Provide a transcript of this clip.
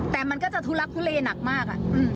แต่มันก็จะทุลักทุเลหนักมาก